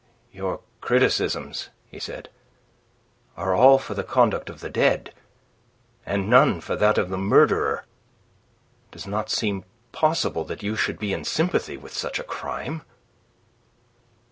"Your criticisms," he said, "are all for the conduct of the dead, and none for that of the murderer. It does not seem possible that you should be in sympathy with such a crime."